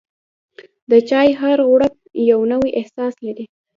د چای هر غوړپ یو نوی احساس لري.